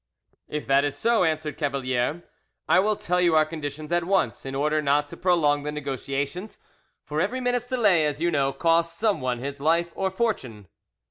"If that is so," answered Cavalier, "I will tell you our conditions at once, in order not to prolong the negotiations; for every minute's delay, as you know, costs someone his life or fortune."